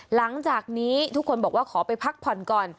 หลังจากนี้ทุกคนบอกว่าขอไปพักผ่อนก่อน